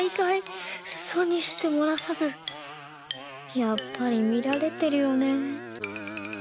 やっぱりみられてるよねぇ。